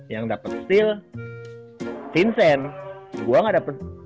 yang dapet steal vincent